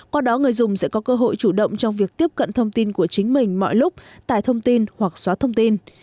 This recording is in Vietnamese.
qua đó người dùng sẽ có cơ hội chủ động trong việc tiếp cận thông tin của chính mình mọi lúc tải thông tin hoặc xóa thông tin